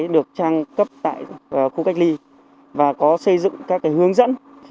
được chất bất ngờ